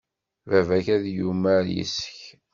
Baba-k ad yumar yes-k.